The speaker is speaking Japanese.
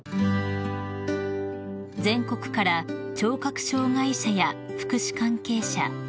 ［全国から聴覚障害者や福祉関係者